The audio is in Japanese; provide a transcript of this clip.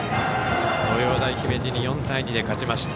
東洋大姫路に４対２で勝ちました。